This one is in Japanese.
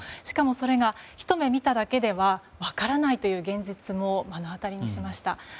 しかも、それがひと目見ただけでは分からないという現実も目の当たりにしました。